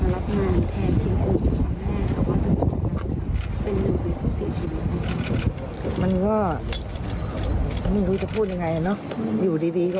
แล้วว่านี่ข้าวครัวละนะคุณแม่